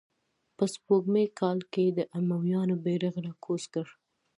په سپوږمیز کال یې د امویانو بیرغ را کوز کړ.